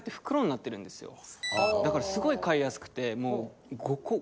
だからすごい買いやすくて。